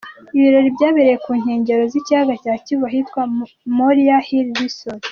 Ibirori byabereye ku nkengero z’ikiyaga cya kivu ahitwa Moriah Hill Resort.